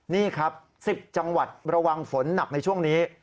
นี่ครับ๑๐จังหวัดระวังฝนหนักในช่วงนี้